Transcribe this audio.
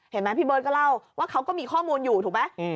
เห็นไหมพี่เบิร์ตก็เล่าว่าเขาก็มีข้อมูลอยู่ถูกไหม